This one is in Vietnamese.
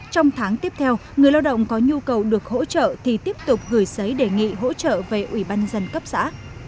trong tháng tiếp theo người lao động có nhu cầu được hỗ trợ thì tiếp tục gửi giấy đề nghị hỗ trợ về ủy ban dân cấp xã